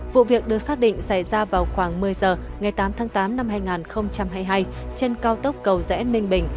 vụ việc được xác định xảy ra vào khoảng một mươi giờ ngày tám tháng tám năm hai nghìn hai mươi hai trên cao tốc cầu rẽ ninh bình